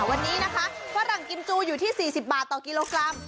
วันนี้นะคะฝรั่งกิมจูอยู่ที่๔๐บาทต่อกิโลกรัม